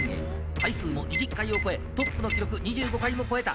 回数も２０回を超え、トップの記録２５回を超えた。